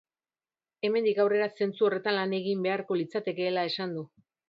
Hemendik aurrera, zentzu horretan lan egin beharko litzatekeela esan du.